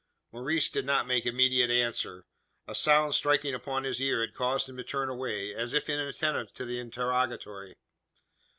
Maurice did not make immediate answer. A sound striking upon his ear had caused him to turn away as if inattentive to the interrogatory.